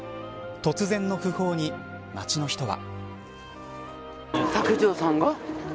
突然の訃報に街の人は。